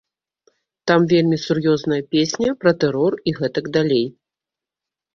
Там вельмі сур'ёзная песня, пра тэрор і гэтак далей.